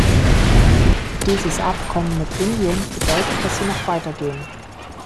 Dieses Abkommen mit Indien bedeutet, dass Sie noch weiter gehen.